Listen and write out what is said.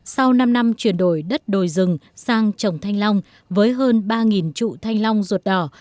sau năm năm chuyển đổi đất đồi rừng sang trồng thanh long với hơn ba trụ thanh long ruột đỏ